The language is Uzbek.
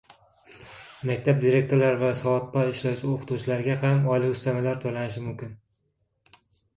Maktab direktorlari va soatbay ishlovchi o‘qituvchilarga ham oylik ustamalar to‘lanishi mumkin